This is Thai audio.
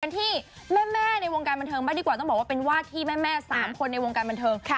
ที่แม่ในวงการบันเทิงบ้างดีกว่าต้องบอกว่าเป็นวาดที่แม่๓คนในวงการบันเทิง